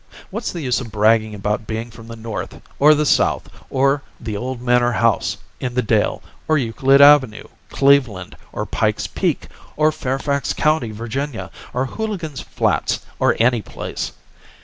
What's the use of bragging about being from the North, or the South, or the old manor house in the dale, or Euclid avenue, Cleveland, or Pike's Peak, or Fairfax County, Va., or Hooligan's Flats or any place?